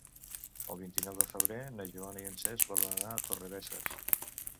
El vint-i-nou de febrer na Joana i en Cesc volen anar a Torrebesses.